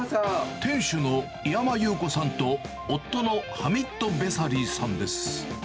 店主の岩間裕子さんと夫のハミッド・ベサリーさんです。